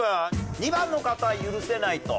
２番の方許せないと。